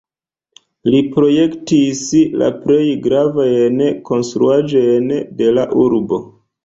Li projektis la plej gravajn konstruaĵojn de la urbo.